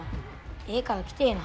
ええから来てえな。